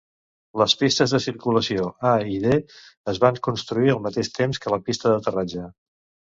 Les pistes de circulació A i D es van construir al mateix temps que la pista d'aterratge.